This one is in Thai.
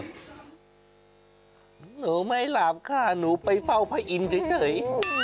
หนูไม่หลาบค่ะหนูไปเฝ้าพระอินทร์เฉย